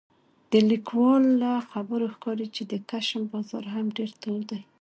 د لیکوال له خبرو ښکاري چې د کشم بازار هم ډېر تود دی